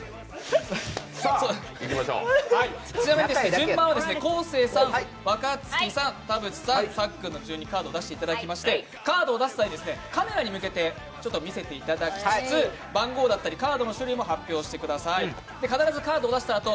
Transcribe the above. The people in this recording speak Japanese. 順番は昴生さん、若槻さん、田渕さん、さっくんの順にカードを出していただきましてカードを出す際にカメラに向けて見せていただきつつ番号だったりカードの種類も発表してください。